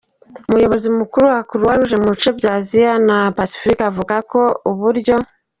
Umuyobozi mukuru Croix-Rouge mu bice bya Aziya na Pasifika avuga ko uburyo